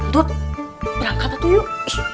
dut berangkatlah tuh yuk